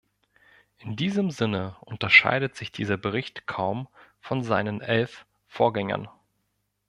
In diesem Sinne unterscheidet sich dieser Bericht kaum von seinen elf Vorgängern.